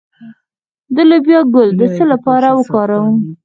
د لوبیا ګل د څه لپاره وکاروم؟